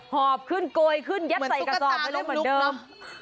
หอบขึ้นโกยขึ้นยัดใส่กระต่ายเลยเหมือนเดิม